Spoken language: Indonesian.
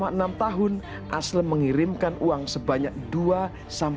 apalagi korbannya banyak itu dua belas orang